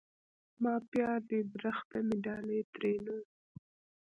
ما پيار دي درخته مي ډالی؛ ترينو